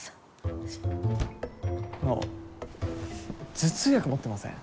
頭痛薬持ってません？